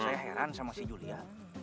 saya heran sama si julia